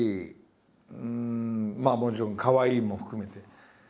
まあもちろん「かわいい」も含めて。